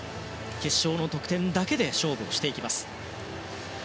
決勝の得点だけで勝負をしていきます。